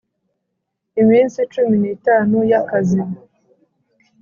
iminsi cumi n itanu y akazi